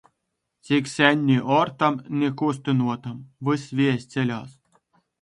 Cik sen ni ortam, ni kustynuotam. Vys viejs ceļās.